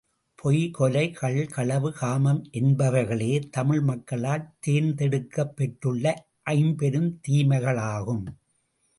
பொய், கொலை, கள், களவு, காமம் என்பவைகளே தமிழ் மக்களால் தேர்ந்தெடுக்கப் பெற்றுள்ள ஐம்பெருந் தீமைகளாகும்.